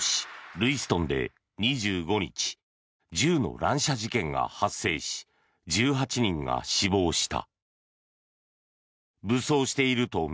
ルイストンで２５日、銃の乱射事件が発生し１８人が死亡した。